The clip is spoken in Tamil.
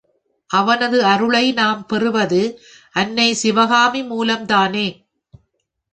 அவரது அருளை நாம் பெறுவது, அன்னை சிவகாமி மூலம்தானே.